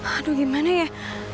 aduh gimana ya